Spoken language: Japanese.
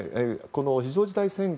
非常事態宣言